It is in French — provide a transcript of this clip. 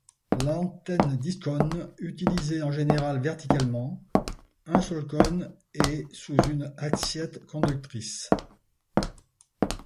L'antenne discone utilisée en général verticalement, un seul cône est sous une assiette conductrice.